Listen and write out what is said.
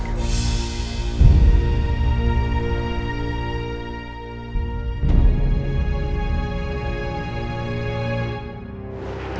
tanti itu sudah selesai